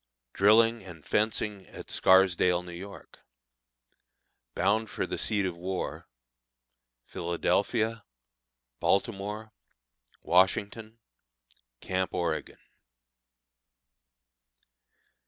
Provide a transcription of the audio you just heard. Drilling and Fencing at Scarsdale, New York. Bound for the Seat of War. Philadelphia. Baltimore. Washington. Camp Oregon.